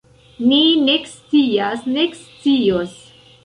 Ni nek scias nek scios.